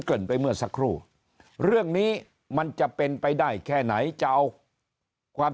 ริ่นไปเมื่อสักครู่เรื่องนี้มันจะเป็นไปได้แค่ไหนจะเอาความ